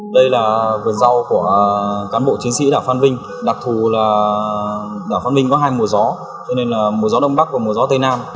đây là vườn rau của cán bộ chiến sĩ đảo phan vinh đặc thù là đảo phan minh có hai mùa gió cho nên là mùa gió đông bắc và mùa gió tây nam